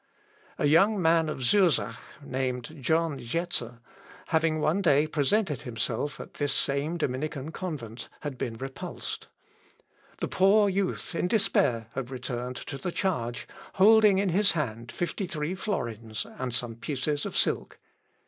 A young man of Zurzach, named John Jetzer, having one day presented himself at this same Dominican convent, had been repulsed. The poor youth in despair had returned to the charge, holding in his hand fifty three florins and some pieces of silk.